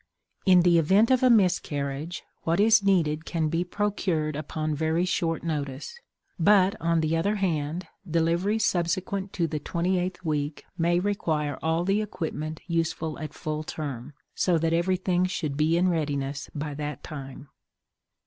In the event of a miscarriage what is needed can be procured upon very short notice. But, on the other hand, delivery subsequent to the twenty eighth week may require all the equipment useful at full term so that everything should be in readiness by that time.